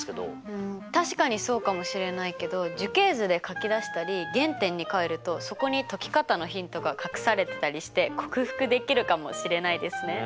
うん確かにそうかもしれないけど樹形図で書き出したり原点に返るとそこに解き方のヒントが隠されてたりして克服できるかもしれないですね。